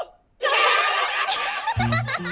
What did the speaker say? アハハハハ！